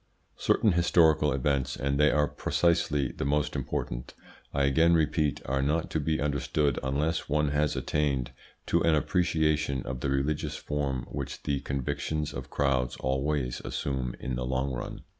Certain historical events and they are precisely the most important I again repeat, are not to be understood unless one has attained to an appreciation of the religious form which the convictions of crowds always assume in the long run.